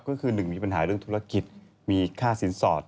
ก็คือหนึ่งมีปัญหาเรื่องธุรกิจมีอีกข้าวสินสอด